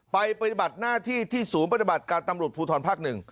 ปฏิบัติหน้าที่ที่ศูนย์ปฏิบัติการตำรวจภูทรภาค๑